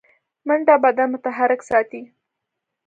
منډه بدن متحرک ساتي